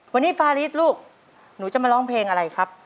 วันนี้ฟาริสลูกหนูจะมาร้องเพลงอะไรครับ